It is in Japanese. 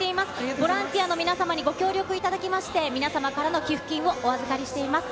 ボランティアの皆様にご協力いただきまして、皆様からの寄付金をお預かりしています。